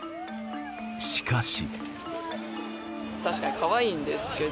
しかし。